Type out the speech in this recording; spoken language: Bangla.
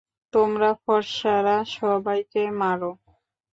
তোমরা ফর্সা রা সবাইকে মার!